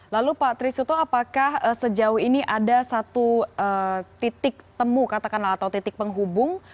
lalu pak trisuto apakah sejauh ini ada satu titik temu katakanlah atau titik penghubung